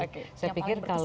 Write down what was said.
oke yang paling berkesan nih